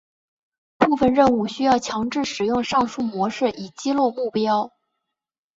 部分任务需要强制使用上述模式以击落目标。